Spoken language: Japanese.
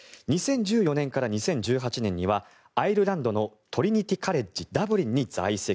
２０１４年から２０１８年にはアイルランドのトリニティ・カレッジ・ダブリンに在籍。